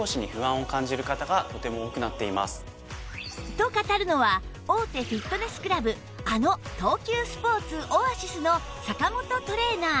と語るのは大手フィットネスクラブあの東急スポーツオアシスの坂本トレーナー